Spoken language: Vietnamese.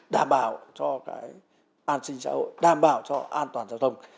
đảm bảo cho cái an sinh xã hội đảm bảo cho an toàn giao thông